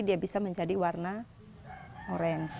dia bisa menjadi warna orange